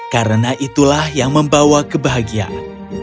karena itulah yang membawa kebahagiaan